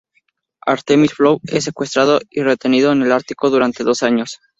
Artemis Fowl I es secuestrado y retenido en el ártico durante dos años.